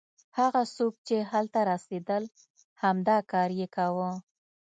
هغه څوک چې هلته رسېدل همدا کار یې کاوه.